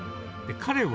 彼は。